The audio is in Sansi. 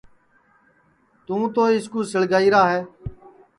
توں تو اِس کُو سِݪگائیرا ہے